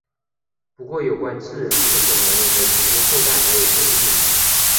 不过有关智人是否能人的直接后代还有争议。